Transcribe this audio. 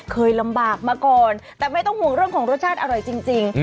เคยลำบากมาก่อนแต่ไม่ต้องห่วงเรื่องของรสชาติอร่อยจริง